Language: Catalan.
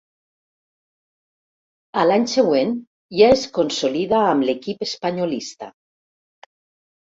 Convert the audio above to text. A l'any següent ja es consolida amb l'equip espanyolista.